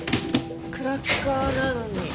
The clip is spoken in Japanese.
クラッカーなのに。